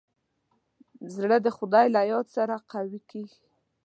زړه د خدای له یاد سره قوي کېږي.